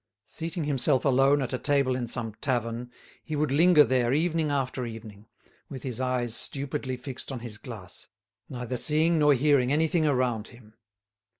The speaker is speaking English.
Seating himself alone at a table in some tavern, he would linger there evening after evening, with his eyes stupidly fixed on his glass, neither seeing nor hearing anything around him.